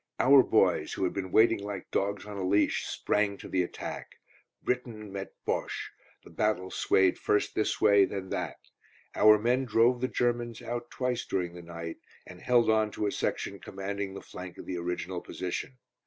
Our boys, who had been waiting like dogs on a leash, sprang to the attack. Briton met Bosche. The battle swayed first this way then that. Our men drove the Germans out twice during the night, and held on to a section commanding the flank of the original position.